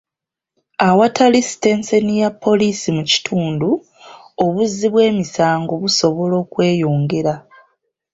Awatali sitenseni ya poliisi mu kitundu, obuzzi bw'emisango busobola okweyongera.